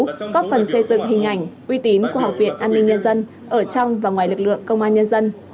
góp phần xây dựng hình ảnh uy tín của học viện an ninh nhân dân ở trong và ngoài lực lượng công an nhân dân